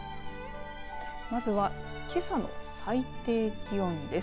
まずはけさの最低気温です。